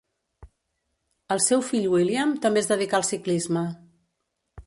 El seu fill William també es dedicà al ciclisme.